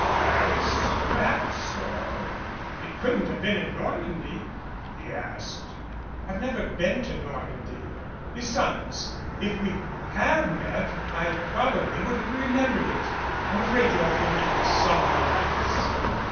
"Paris, perhaps, or it couldn't have been in Nor mandy?" he asked. "I've never been in Normandy. Besides, if we had met, I probably would have remembered it. I'm afraid you're thinking of some one else."